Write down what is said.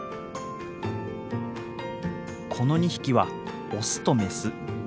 この２匹はオスとメス。